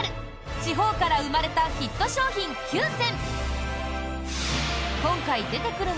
地方から生まれたヒット商品９選